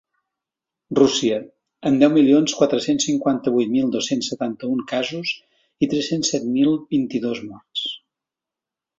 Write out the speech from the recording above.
Rússia, amb deu milions quatre-cents cinquanta-vuit mil dos-cents setanta-un casos i tres-cents set mil vint-i-dos morts.